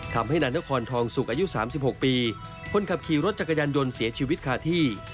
ทำให้นานครทองสุกอายุ๓๖ปีคนขับขี่รถจักรยานยนต์เสียชีวิตคาที่